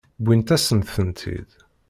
Wwint-asent-tent-id.